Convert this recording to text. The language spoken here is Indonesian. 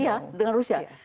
iya dengan rusia